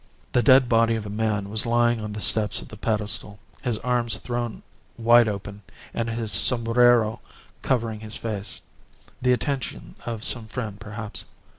The dead body of a man was lying on the steps of the pedestal, his arms thrown wide open, and his sombrero covering his face the attention of some friend, perhaps.